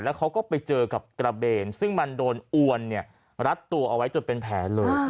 เขาก็ไปเจอกับกระเบนซึ่งมันโดนอวนรัดตัวเอาไว้จนเป็นแผลเลย